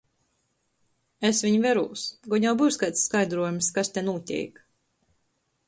Es viņ verūs, gon jau byus kaids skaidruojums, kas te nūteik.